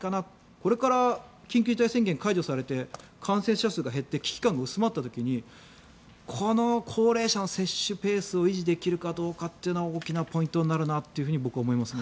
これから緊急事態宣言解除されて感染者数が減って危機感が薄まった時にこの高齢者の接種ペースを維持できるかどうかは大きなポイントになるなと僕は思いますね。